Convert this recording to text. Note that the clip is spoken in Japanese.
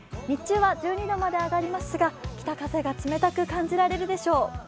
日中は１２度まで上がりますが北風が冷たく感じられるでしょう。